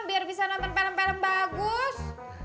biar bisa nonton film film bagus